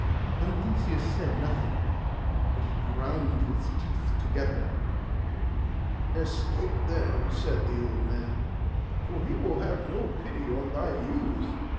Then Theseus said nothing; but he ground his teeth together. 'Escape, then,' said the old man, 'for he will have no pity on thy youth.